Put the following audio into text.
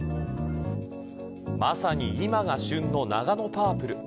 まさに今が旬のナガノパープル。